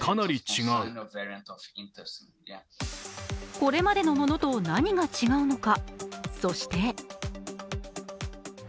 これまでのものと何が違うのか？